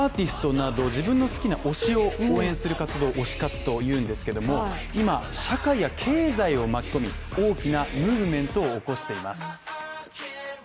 アーティストなど自分の好きな推しを応援する活動を推し活というんですけども、今、社会や経済を巻き込み、大きなムーブメントを起こしています。